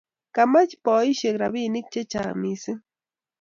kamach baishek rabinik chechang mising